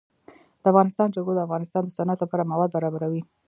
د افغانستان جلکو د افغانستان د صنعت لپاره مواد برابروي.